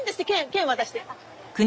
券渡して。